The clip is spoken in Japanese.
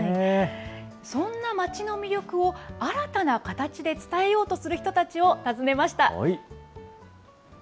そんな町の魅力を新たな形で伝えようとする人たちを訪ねました。